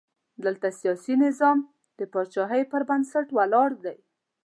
دلته سیاسي نظام د پاچاهۍ پر بنسټ ولاړ دی.